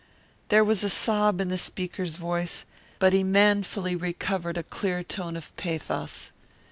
There was a sob in the speaker's voice, but he manfully recovered a clear tone of pathos.